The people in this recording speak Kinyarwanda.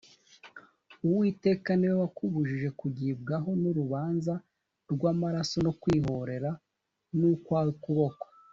Uwiteka ni we wakubujije kugibwaho n’urubanza rw’amaraso no kwihorera n’ukwawe kuboko.